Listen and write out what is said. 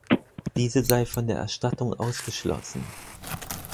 Diese sei von der Erstattung ausgeschlossen.